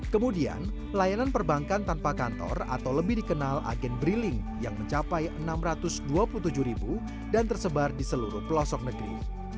kemudian layanan perbankan tanpa kantor atau lebih dikenal agen briling yang mencapai enam ratus dua puluh tujuh ribu dan tersebar di seluruh pelosok negeri